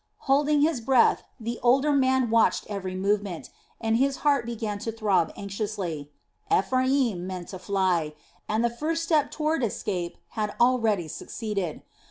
Holding his breath, the older man watched every movement, and his heart began to throb anxiously. Ephraim meant to fly, and the first step toward escape had already succeeded!